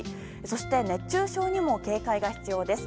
そして熱中症にも警戒が必要です。